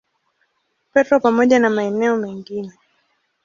Petro pamoja na maeneo mengine.